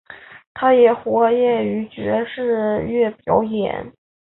他也活跃于爵士乐表演。